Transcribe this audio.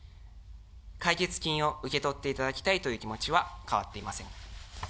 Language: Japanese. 解決金を受け取っていただきたいという気持ちは変わっていません。